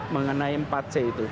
mengenai empat c itu